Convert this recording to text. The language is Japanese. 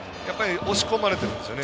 押し込まれてるんですよね